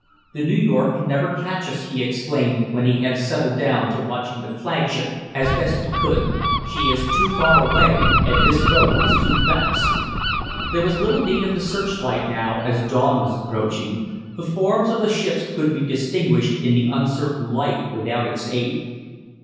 "The New York can never catch us," he exclaimed, when he had settled down to watching the flagship as best he could. "She is too far away, and this boat is too fast." There was little need of the searchlight now, as dawn was approaching. The forms of the ships could be distinguished in the uncertain light without its aid.